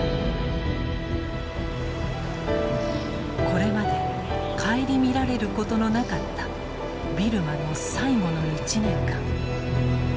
これまで顧みられることのなかったビルマの最後の１年間。